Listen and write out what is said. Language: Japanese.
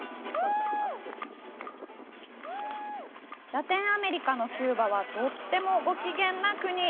ラテンアメリカのキューバはとってもご機嫌な国。